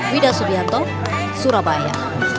widah subianto surabaya